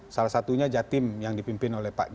salah satunya jatim yang dipimpin oleh pak jokowi